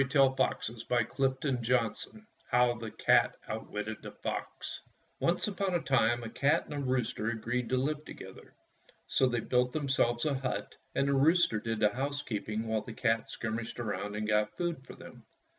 HOW THE CAT OUTWITTED THE FOX HOW THE CAT OUTWITTED THE FOX O NCE upon a time a cat and a rooster agreed to live together. So they built themselves a hut, and the rooster did the housekeeping while the cat skirmished around and got food for them.